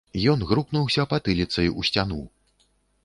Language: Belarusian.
Ён грукнуўся патыліцай у сцяну.